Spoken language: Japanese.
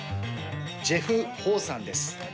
ジェフ・ホーさんです。